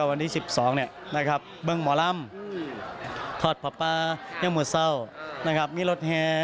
วันที่สิบสองบึงหมอร่ำทอดพัปป้ายังหมดเศร้ามีรถแฮ